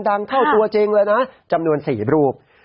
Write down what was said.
ดังเท่าตัวจริงเลยนะจำนวน๔รูป